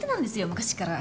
昔っから。